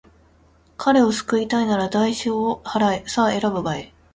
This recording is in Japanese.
彼を救いたいのなら、代償を払え。さあ、選ぶがいい。